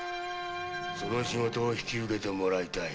その仕事を受けてもらいたい。